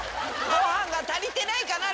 ご飯が足りてないかな？